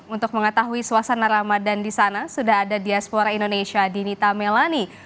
untuk mengetahui suasana ramadan disana sudah ada diaspora indonesia di nita melani